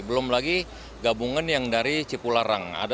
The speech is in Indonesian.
belum lagi gabungan yang dari cipularang